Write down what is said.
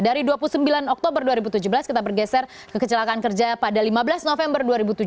dari dua puluh sembilan oktober dua ribu tujuh belas kita bergeser ke kecelakaan kerja pada lima belas november dua ribu tujuh belas